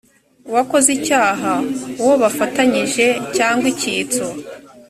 uwakoze icyaha uwo bafatanyije cyangwa icyitso